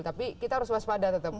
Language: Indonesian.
tapi kita harus waspada tetap